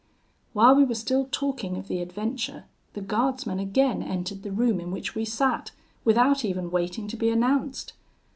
"While we were still talking of the adventure, the guardsman again entered the room in which we sat, without even waiting to be announced.